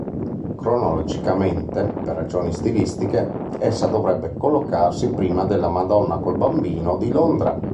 Cronologicamente, per ragioni stilistiche, essa dovrebbe collocarsi prima della "Madonna col Bambino" di Londra.